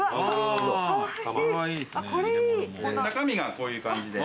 中身がこういう感じで。